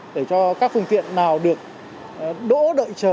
để cho các phương tiện nào được đỗ đợi chờ